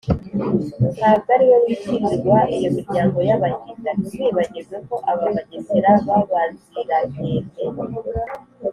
ntabwo ariwe witirirwa iyo miryango y’abahinda. ntimwibagirwe ko aba bagesera b’abazirankende